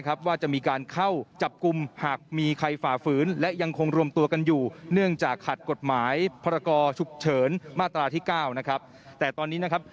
ก่อฉุกเฉินมาตราที่๙นะครับแต่ตอนนี้นะครับ